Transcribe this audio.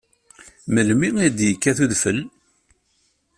Melmi ay d-yekkat udfel?